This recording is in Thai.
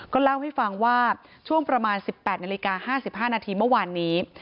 เล่าให้ฟังว่าช่วงประมาณ๑๘นาฬิกา๕๕นาทีเมื่อวานนี้